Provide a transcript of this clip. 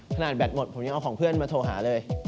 แบตหมดผมยังเอาของเพื่อนมาโทรหาเลย